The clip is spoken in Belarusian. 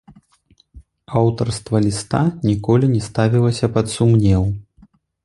Аўтарства ліста ніколі не ставілася пад сумнеў.